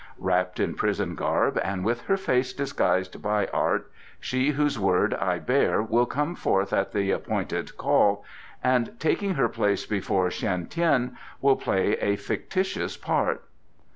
Wrapped in prison garb, and with her face disguised by art, she whose word I bear will come forth at the appointed call and, taking her place before Shan Tien, will play a fictitious part."